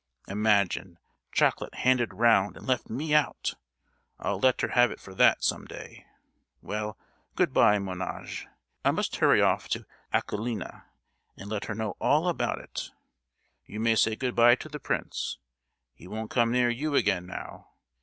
Imagine—chocolate handed round and me left out. I'll let her have it for that, some day! Well, good bye, mon ange: I must hurry off to Akulina, and let her know all about it. You may say good bye to the prince; he won't come near you again now!